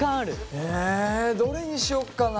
えどれにしようかな。